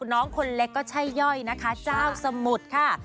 น้องคนเล็กก็ใช่ย่อยนะคะเจ้าสมุทรค่ะ